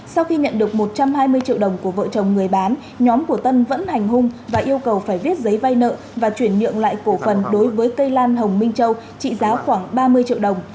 sau khi nhận được một trăm hai mươi triệu đồng của vợ chồng người bán nhóm của tân vẫn hành hung và yêu cầu phải viết giấy vay nợ và chuyển nhượng lại cổ phần đối với cây lan hồng minh châu trị giá khoảng ba mươi triệu đồng